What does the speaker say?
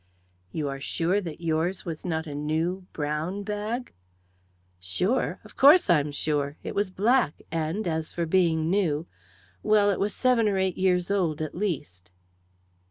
"You are sure that yours was not a new brown bag?" "Sure! Of course I'm sure! It was black; and, as for being new well, it was seven or eight years old at least."